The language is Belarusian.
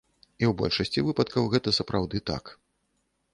І ў большасці выпадкаў гэта сапраўды так.